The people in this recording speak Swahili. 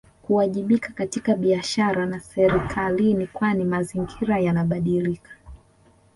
Kuwajibika katika biashara na serikalini kwani mazingira yanabadilika